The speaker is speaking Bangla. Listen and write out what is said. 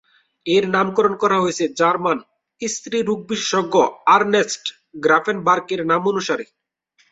এর নামকরণ করা হয়েছে জার্মান স্ত্রী-রোগ বিশেষজ্ঞ আর্নেস্ট গ্রাফেনবার্গ-এর নামানুসারে।